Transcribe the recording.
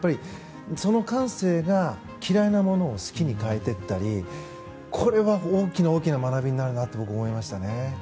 その感性が、嫌いなものを好きに変えていったりこれは、大きな学びになると思いました。